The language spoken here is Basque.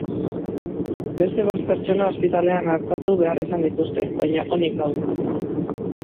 Beste bost pertsona ospitalean artatu behar izan dituzte, baina onik daude.